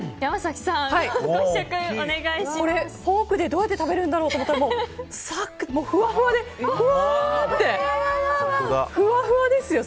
フォークでどうやって食べるんだろうと思ったらふわふわですよ！